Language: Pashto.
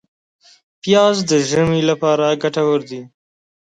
پیاز د ژمي لپاره ګټور دی